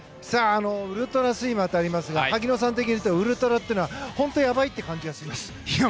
ウルトラスイマーとありますが萩野さん的にウルトラというのは本当にやばいという感じがしますか？